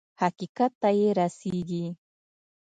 حقيقت ته يې رسېږي.